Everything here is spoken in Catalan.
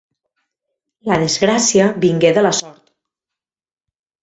La desgracia vingué de la sort.